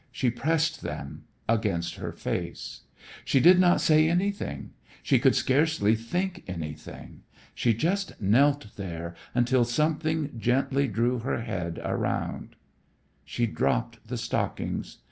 She pressed them against her face. She did not say anything. She could scarcely think anything. She just knelt there until something gently drew her head around. She dropped the stockings.